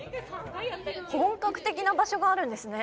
本格的な場所があるんですね。